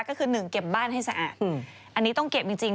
ก็คือ๑เก็บบ้านให้สะอาดอันนี้ต้องเก็บจริง